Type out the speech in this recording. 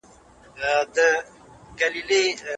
سیاست د سوداګرۍ خدمت کوي.